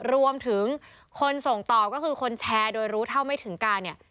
รวมถึงคนส่งต่อก็คือคนแชร์โดยรู้เท่าไม่ถึงการเนี่ย